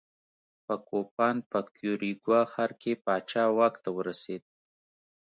په کوپان په کیوریګوا ښار کې پاچا واک ته ورسېد.